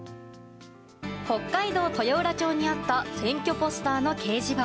北海道豊浦町にあった選挙ポスターの掲示板。